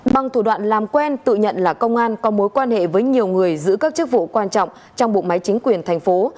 bằng thủ đoạn làm quen tự nhận là công an có mối quan hệ với nhiều người giữ các chức vụ quan trọng trong bộ máy chính quyền thành phố